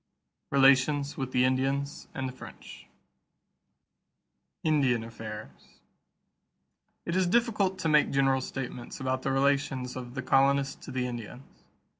RELATIONS WITH THE INDIANS AND THE FRENCH =Indian Affairs.= It is difficult to make general statements about the relations of the colonists to the Indians.